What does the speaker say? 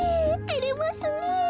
てれますねえ。